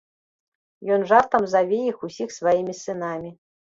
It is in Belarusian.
Ён жартам заве іх усіх сваімі сынамі.